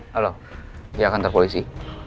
halo ya kantor polisi